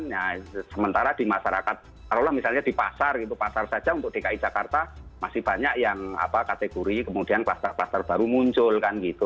nah sementara di masyarakat taruhlah misalnya di pasar gitu pasar saja untuk dki jakarta masih banyak yang kategori kemudian kluster kluster baru muncul kan gitu